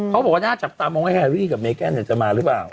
เขาบอกว่าน่าจับตามองว่าแฮรี่กับเมแกนจะมาหรือเปล่า